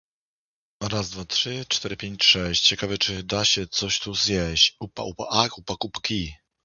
"Zobaczymy, jak ono będzie wyglądało w razie potrzeby."